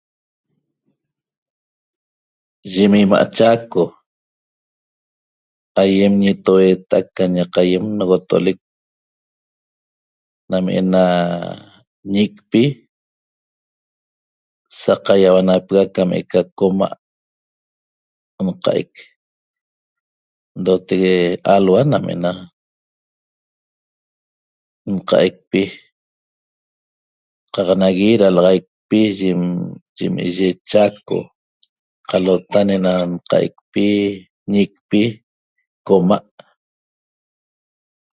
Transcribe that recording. Yim ima' chaco aiem ñetoueta'ac ca ñaq aien nogotolec nam ena ñicpi saqaiaunapega' que'eca coma' nqaic ndotec alhua nam ena nqaicpi qaq nagui ralaxaicpi yi yim iyi Chaco qalota'a enam nqa'aicpi ñicpi coma'